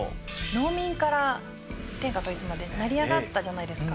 農民から天下統一まで成り上がったじゃないですか。